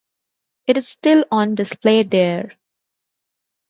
It is still on display there.